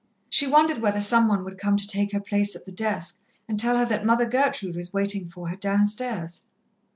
She wondered whether some one would come to take her place at the desk and tell her that Mother Gertrude was waiting for her downstairs.